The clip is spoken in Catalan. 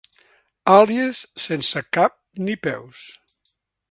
Àlies sense cap ni peus.